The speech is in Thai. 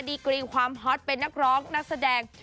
กรีความฮอตเป็นนักร้องนักแสดง